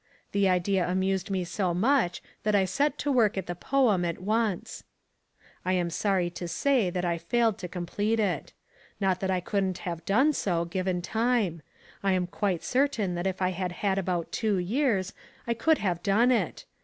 The idea amused me so much that I set to work at the poem at once. I am sorry to say that I failed to complete it. Not that I couldn't have done so, given time; I am quite certain that if I had had about two years I could have done it.